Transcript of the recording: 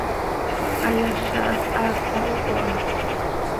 Hayaza hac haa cmaco ha.